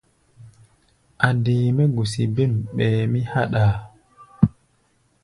A̧ dee mɛ́ gusi bêm, ɓɛɛ mí háɗʼaa.